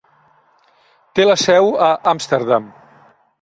Té la seu a Amsterdam.